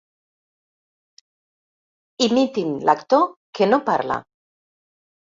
Imitin l'actor que no parla.